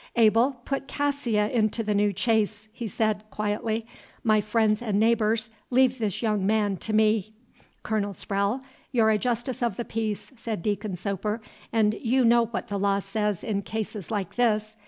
"Abel, put Cassia into the new chaise," he said, quietly. "My friends and neighbors, leave this young man to me." "Colonel Sprowle, you're a justice of the peace," said Deacon Soper, "and you know what the law says in cases like this.